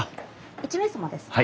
１名様ですか？